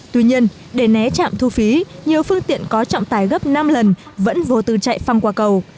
tuy nhiên để né trạm thu phí nhiều phương tiện có trọng tài gấp năm lần vẫn vô tư chạy phăng qua cầu